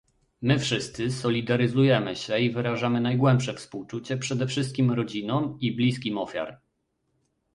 My wszyscy solidaryzujemy się i wyrażamy najgłębsze współczucie, przede wszystkim rodzinom i bliskim ofiar